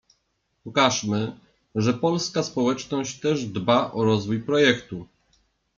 pokażmy, że polska społeczność też dba o rozwój projektu!